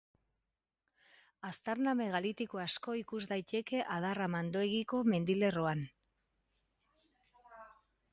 Aztarna megalitiko asko ikus daiteke Adarra-Mandoegiko mendilerroan.